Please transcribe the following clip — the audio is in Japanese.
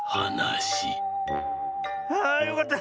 ああよかった！